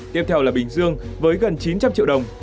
tiếp theo là bình dương với gần chín trăm linh triệu đồng